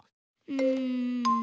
うん。